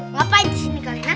ngapain disini kalian